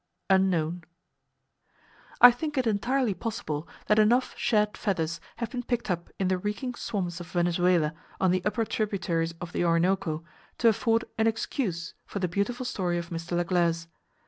(Unknown!) I think it entirely possible that enough shed feathers have been picked up in the reeking swamps of Venezuela, on the upper tributaries of the Orinoco, to afford an excuse for the beautiful story of Mr. Laglaize.